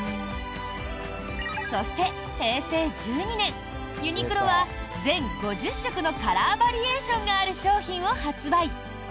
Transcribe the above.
そして平成１２年、ユニクロは全５０色のカラーバリエーションがある商品を発売。